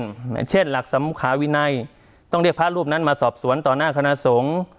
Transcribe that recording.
อย่างเช่นหลักสัมขาวินัยต้องเรียกพระรูปนั้นมาสอบสวนต่อหน้าคณะสงฆ์